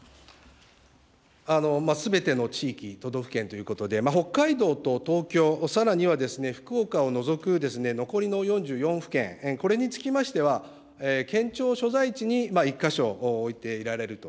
すべての地域、都道府県ということで、北海道と東京、さらには福岡を除く残りの４４府県、これにつきましては、県庁所在地に１か所置いていられると。